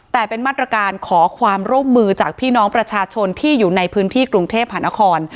แต่เป็นมาตรการขอความร่วมมือจากพี่น้องประชาชนที่อยู่ในพื้นที่กรุงเทพหานคร